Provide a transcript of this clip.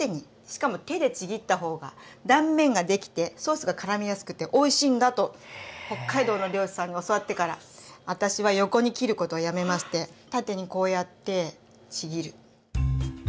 しかも手でちぎった方が断面ができてソースがからみやすくておいしいんだと北海道の漁師さんに教わってから私は横に切ることをやめまして縦にこうやってちぎる。